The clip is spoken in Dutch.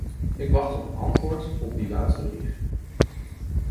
Ik wacht op een antwoord op die laatste brief.